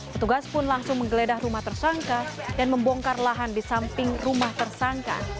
petugas pun langsung menggeledah rumah tersangka dan membongkar lahan di samping rumah tersangka